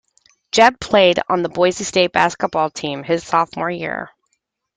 Jeb played on the Boise State basketball team his sophomore year.